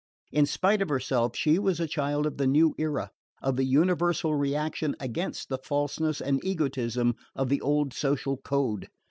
In spite of herself she was a child of the new era, of the universal reaction against the falseness and egotism of the old social code.